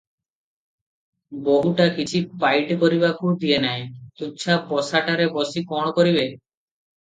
ବୋହୂଟା କିଛି ପାଇଟି କରିବାକୁ ଦିଏ ନାହିଁ, ତୁଚ୍ଛା ବସାଟାରେ ବସି କଣ କରିବେ?